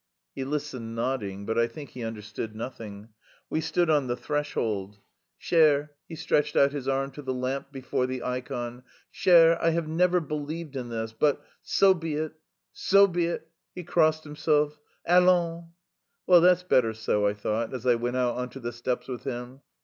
He listened, nodding, but I think he understood nothing. We stood on the threshold. "Cher" he stretched out his arm to the lamp before the ikon "cher, I have never believed in this, but... so be it, so be it!" He crossed himself. "Allons!" "Well, that's better so," I thought as I went out on to the steps with him.